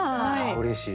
うれしい。